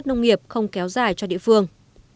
các công nghiệp không kéo dài cho địa phương